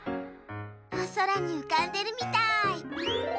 おそらにうかんでるみたい。